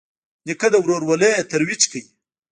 نیکه د ورورولۍ ترویج کوي.